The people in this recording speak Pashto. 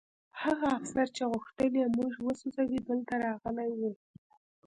هغه افسر چې غوښتل یې موږ وسوځوي دلته راغلی و